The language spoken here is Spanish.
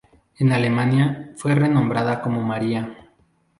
En Alemania, fue renombrada como María.